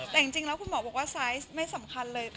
แต่จริงแล้วคุณหมอบอกว่าไซส์ไม่สำคัญเลย